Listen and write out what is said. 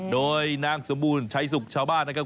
โดยนางสมบูรณ์ชัยสุขชาวบ้านนะครับ